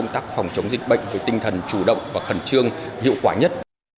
tinh thần chủ động và khẩn trương hiệu quả nhất